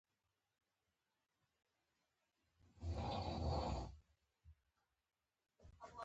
د بېنوا د نثر مفهوم دې په خپلو الفاظو بیان کړي.